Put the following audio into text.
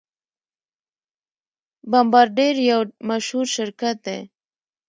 بمبارډیر یو مشهور شرکت دی.